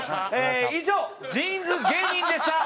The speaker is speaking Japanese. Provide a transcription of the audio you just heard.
以上ジーンズ芸人でした。